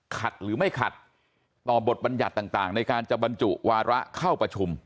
ขัดหรือไม่ขัดต่อบทบรรยัติต่างในการจะบรรจุวาระเข้าประชุม